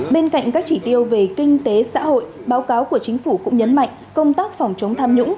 bên cạnh các chỉ tiêu về kinh tế xã hội báo cáo của chính phủ cũng nhấn mạnh công tác phòng chống tham nhũng